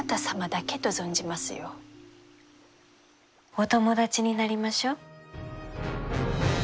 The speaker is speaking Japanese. お友達になりましょう。